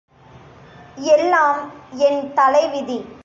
எல்லாம் என் தலைவிதி.